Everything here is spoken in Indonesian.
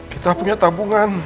kita punya tabungan